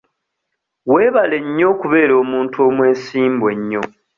Weebale nnyo okubeera omuntu omwesimbu ennyo.